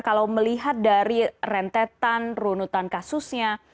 kalau melihat dari rentetan runutan kasusnya